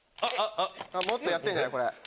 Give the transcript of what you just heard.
もっとやってんじゃない？